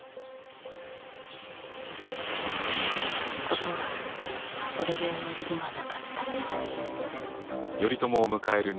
事はそれで終わりではなかった。